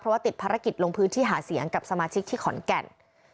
เพราะว่าติดภารกิจลงพื้นที่หาเสียงกับสมาชิกที่ขอนแก่น